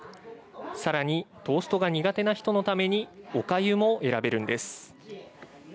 さらにトーストが苦手な人のためにおかゆも選べるんです。